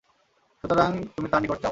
সুতরাং তুমি তার নিকট যাও।